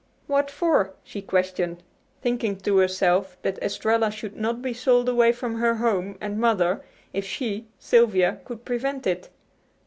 "What for?" she questioned, thinking to herself that Estralla should not be sold away from her home and mother if she, Sylvia, could prevent it.